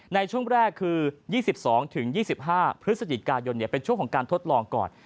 ในช่วงแรกคือ๒๒๒๕พฤศจิกายนเป็นช่วงของการทดลองก่อน